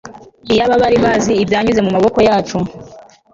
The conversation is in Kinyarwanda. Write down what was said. iyaba bari bazi ibyanyuze mumaboko yacu